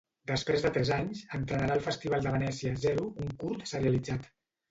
Després de tres anys, estrenarà al Festival de Venècia “Zero”, un curt serialitzat.